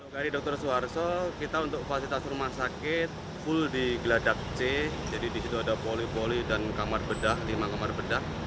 kri dr suharto kita untuk fasilitas rumah sakit full di geladak c jadi di situ ada poli poli dan kamar bedah lima kamar bedah